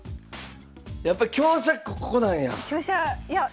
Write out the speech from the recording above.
やっぱ香車ここなんや。